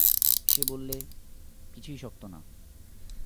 সে বললে, কিছুই শক্ত না।